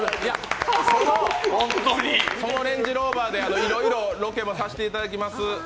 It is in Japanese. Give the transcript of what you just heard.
そのレンジローバーでいろいろロケもさせていただきます。